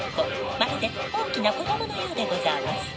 まるで大きな子供のようでござあます。